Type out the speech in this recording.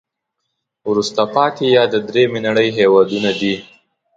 وروسته پاتې یا د دریمې نړی هېوادونه دي.